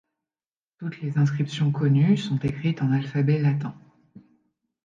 Toutes les inscriptions connues sont écrites en alphabet latin.